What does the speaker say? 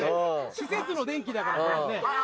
施設の電気だからこれね。